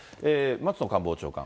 松野官房長官。